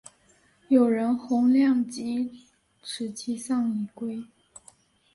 友人洪亮吉持其丧以归。